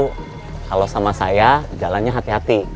kalau sama saya jalannya hati hati